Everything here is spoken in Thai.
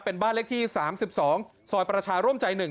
เป็นบ้านเลขที่สามสิบสองซอยประชาร่วมใจหนึ่ง